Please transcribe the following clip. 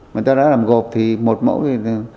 mà ta đã làm gộp thì một mẫu